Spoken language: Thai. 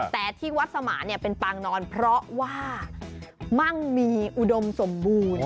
แต่ที่วัดสมานเป็นปางนอนเพราะว่ามั่งมีอุดมสมบูรณ์